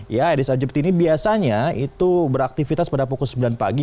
ya aedes aegypti ini biasanya itu beraktifitas pada pukul sembilan pagi